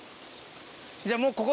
じゃあもうここ。